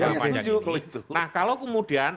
keempatnya ya setuju nah kalau kemudian